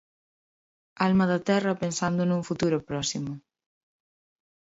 Alma da terra pensando nun futuro próximo.